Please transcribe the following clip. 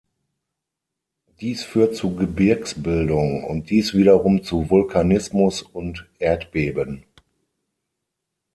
Dies führt zu Gebirgsbildung und dies wiederum zu Vulkanismus und Erdbeben.